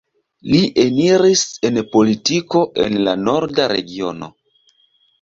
Li eniris en politiko en la Norda Regiono.